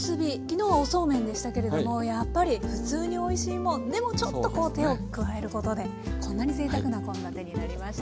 昨日はおそうめんでしたけれどもやっぱり「ふつうにおいしいもん」でもちょっとこう手を加えることでこんなにぜいたくな献立になりました。